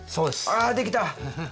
あできた！